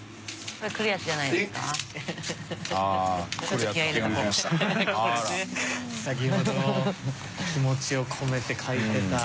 これね先ほど気持ちを込めて書いてた。